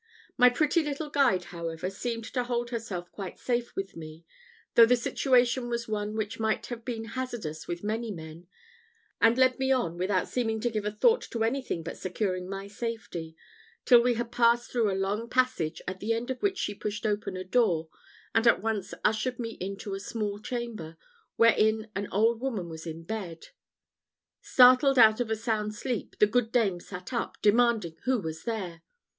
My pretty little guide, however, seemed to hold herself quite safe with me, though the situation was one which might have been hazardous with many men, and led me on without seeming to give a thought to anything but securing my safety, till we had passed through a long passage, at the end of which she pushed open a door, and at once ushered me into a small chamber, wherein an old woman was in bed. Startled out of a sound sleep, the good dame sat up, demanding who was there.